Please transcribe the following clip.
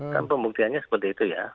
kan pembuktiannya seperti itu ya